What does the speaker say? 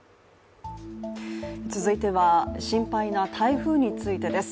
続いては心配な台風についてです。